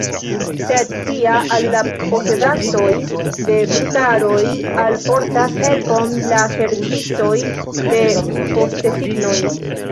Sed tie al la posedantoj de brutaroj alportas helpon la serĉistoj de postesignoj.